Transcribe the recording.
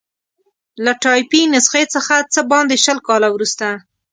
له ټایپي نسخې څخه څه باندې شل کاله وروسته.